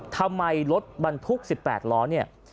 ทำไมรถบรรทุก๑๘ล้อเนี่ย